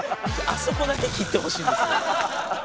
あそこだけ切ってほしいんですよ。